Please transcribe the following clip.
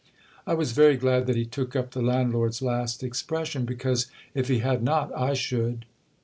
I was very glad that he took up the landlord's last expression ; because if he had not, I should.